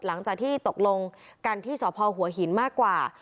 หลังจากที่ตกลงกันที่สพหัวหินมากกว่า